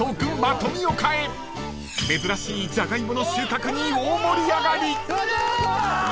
［珍しいじゃがいもの収穫に大盛り上がり］